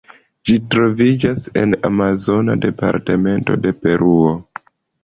Ĝi troviĝas en amazona departemento de Peruo.